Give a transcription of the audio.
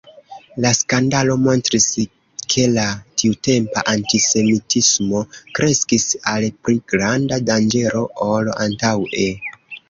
La skandalo montris, ke la tiutempa antisemitismo kreskis al pli granda danĝero ol antaŭe.